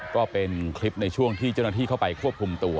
ก็เป็นคลิปในช่วงที่เจ้าหน้าที่เข้าไปควบคุมตัว